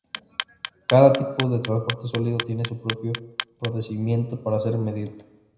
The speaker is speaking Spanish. Cada tipo de transporte sólido tiene su propio procedimiento para ser medido.